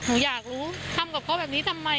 หนูอยากรู้ทำกับเขาแบบนี้ทำไม